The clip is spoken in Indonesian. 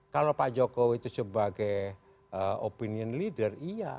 kalau pak jokowi itu sebagai opinion leader iya